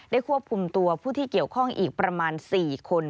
ควบคุมตัวผู้ที่เกี่ยวข้องอีกประมาณ๔คน